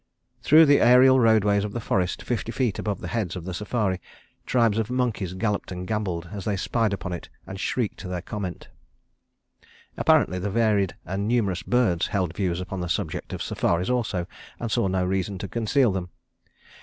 Through the aerial roadways of the forest, fifty feet above the heads of the safari, tribes of monkeys galloped and gambolled as they spied upon it and shrieked their comment. Apparently the varied and numerous birds held views upon the subject of safaris also, and saw no reason to conceal them.